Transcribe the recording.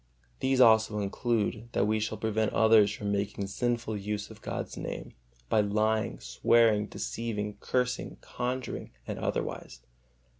These also include, that we shall prevent others from making sinful use of God's Name by lying, swearing, deceiving, cursing, conjuring, and otherwise.